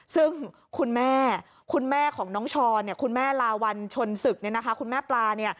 ซึ่งคุณแม่คุณแม่ของน้องชอนคุณแม่ลาวัลชนศึกคุณแม่ปลา